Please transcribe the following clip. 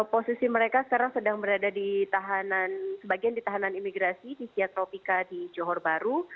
posisi mereka sekarang sedang berada di sebagian di tahanan imigrasi di psiatropika di johor baru